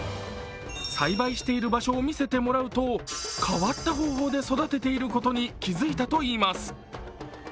栽培している場所を見せてもらうと、変わった方法で育てていることに気づいたといいます。